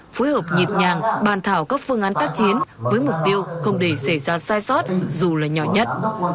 phối hợp nhịp nhàng bàn thảo các phương án tác chiến với mục tiêu không để xảy ra sai sót dù là nhỏ nhất